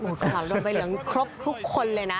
โอ้โหเราจะโดนใบเหลืองครบทุกคนเลยนะ